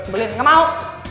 belin gak mau